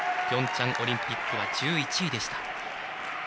ピョンチャンオリンピックは１１位でした。